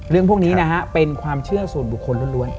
เรื่องพวกนี้นะฮะเป็นความเชื่อส่วนบุคคลล้วน